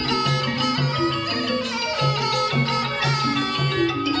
โอเคครับ